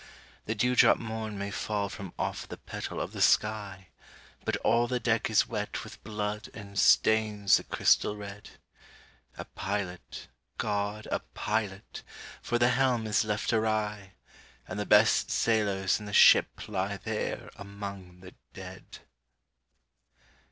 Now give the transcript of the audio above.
"The dewdrop morn may fall from off the petal of the sky, But all the deck is wet with blood and stains the crystal red. A pilot, GOD, a pilot! for the helm is left awry, And the best sailors in the ship lie there among the dead!"